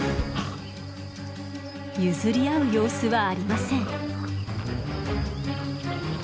譲り合う様子はありません。